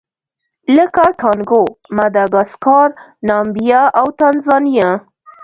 لکه کانګو، ماداګاسکار، نامبیا او تانزانیا.